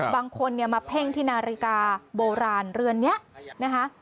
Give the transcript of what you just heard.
บางคนเนี่ยมาเพ่งที่นาฬิกาโบราณเรือนนี้นะคะ